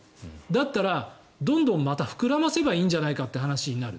だったら、どんどんまた膨らませればいいんじゃないかという話になる。